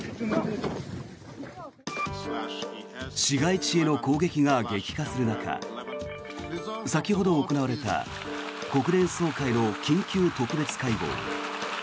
市街地への攻撃が激化する中先ほど行われた国連総会の緊急特別会合。